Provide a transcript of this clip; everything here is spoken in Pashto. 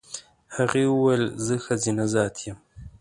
هغې وویل زه ښځینه ذات یم.